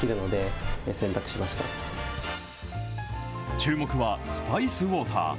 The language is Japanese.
注目はスパイスウォーター。